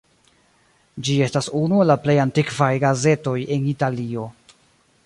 Ĝi estas unu el plej antikvaj gazetoj en Italio.